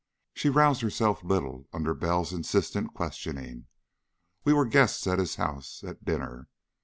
She roused herself little under Bell's insistent questioning. "We were guests at his house at dinner.